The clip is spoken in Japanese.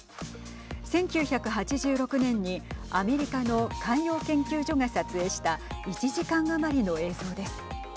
１９８６年にアメリカの海洋研究所が撮影した１時間余りの映像です。